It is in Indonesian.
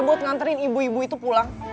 buat nganterin ibu ibu itu pulang